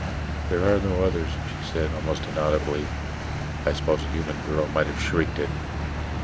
"There are no others," she said almost inaudibly. I suppose a human girl might have shrieked it.